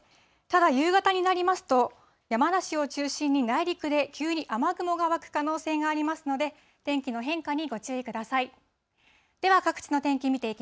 ただ、夕方になりますと、山梨を中心に内陸で急に雨雲が湧く可能性がありますので、天気の変化にご注意ください。